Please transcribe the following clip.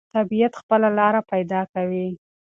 طبیعت خپله لاره پیدا کوي.